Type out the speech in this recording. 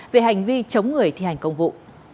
về hành vi chống người thi hành công vụ